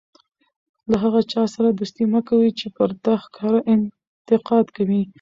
له هغه چا سره دوستي مه کوئ! چي پر تا ښکاره انتقاد کوي.